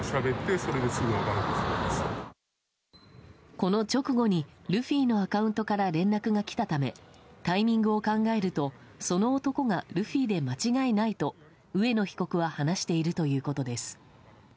この直後にルフィのアカウントから連絡が来たためタイミングを考えるとその男がルフィで間違いないと上野被告は話しているということです。